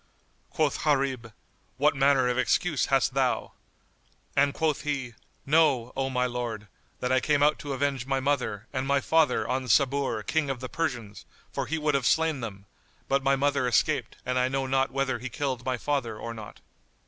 Quoth Gharib, "What manner of excuse hast thou?"; And quoth he, "Know, O my lord, that I came out to avenge my mother and my father on Sabur, King of the Persians; for he would have slain them; but my mother escaped and I know not whether he killed my father or not."